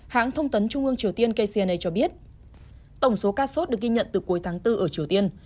hãng thông tấn trung ương triều tiên kcna cho biết tổng số ca sốt được ghi nhận từ cuối tháng bốn ở triều tiên